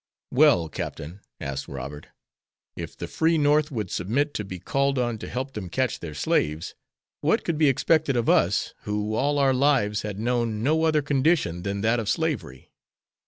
"Well, Captain," asked Robert, "if the free North would submit to be called on to help them catch their slaves, what could be expected of us, who all our lives had known no other condition than that of slavery?